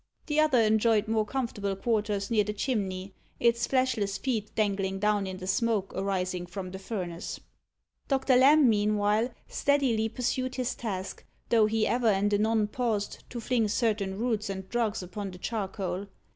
The other enjoyed more comfortable quarters near the chimney, its fleshless feet dangling down in the smoke arising from the furnace. Doctor Lamb, meanwhile, steadily pursued his task, though he ever and anon paused, to fling certain roots and drugs upon the charcoal.